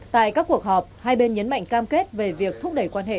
tại các cuộc họp hai bên nhấn mạnh cam kết về việc thúc đẩy quan hệ